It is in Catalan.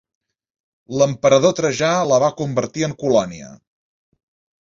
L'emperador Trajà la va convertir en colònia.